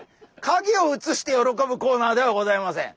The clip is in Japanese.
かげをうつして喜ぶコーナーではございません。